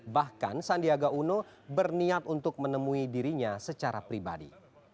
bahkan sandiaga uno berniat untuk menemui dirinya secara pribadi